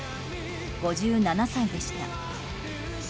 ５７歳でした。